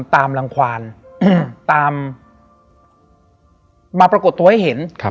ตามรังควานตามมาปรากฏตัวให้เห็น